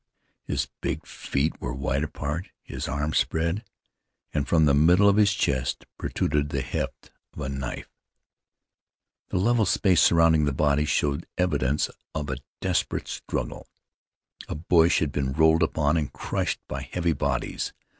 His big feet were wide apart; his arms spread, and from the middle of his chest protruded the haft of a knife. The level space surrounding the bodies showed evidence of a desperate struggle. A bush had been rolled upon and crushed by heavy bodies.